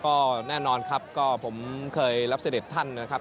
ก็แน่นอนครับก็ผมเคยรับเสด็จท่านนะครับ